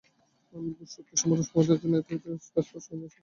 আমি বোধশক্তিসম্পন্ন সম্প্রদায়ের জন্যে এতে একটি স্পষ্ট নিদর্শন রেখেছি।